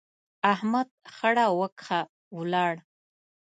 احمد خړه وکښه، ولاړ.